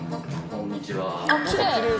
こんにちは。